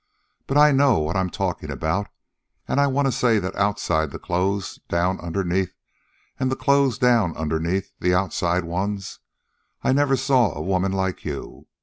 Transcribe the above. But I know what I'm talkin' about, and I want to say that outside the clothes down underneath, an' the clothes down underneath the outside ones, I never saw a woman like you.